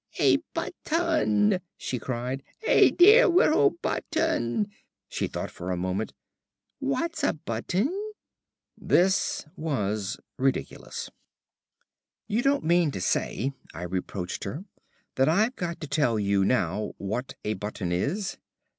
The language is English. "A button," she cried. "A dear little button!" She thought for a moment. "What's a button?" This was ridiculous. "You don't mean to say," I reproached her, "that I've got to tell you now what a button is.